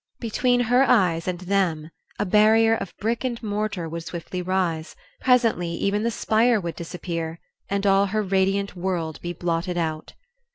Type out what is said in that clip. Between her eyes and them a barrier of brick and mortar would swiftly rise; presently even the spire would disappear, and all her radiant world be blotted out.